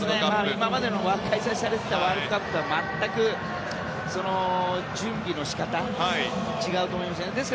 今まで開催されていたワールドカップとは全く準備の仕方が違うと思います。